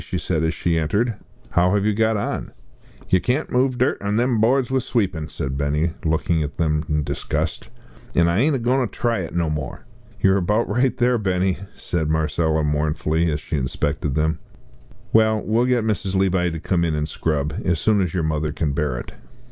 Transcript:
she said as she entered, "how have you got on?" "Yer can't move the dirt on them boards with sweepin'," said Benny, looking at them with disgust; "an' I ain't a goin' to try it no more." "You're about right there, Benny," said Marcella, mournfully, as she inspected them; "well, we'll get Mrs. Levi to come in and scrub as soon as your mother can bear it."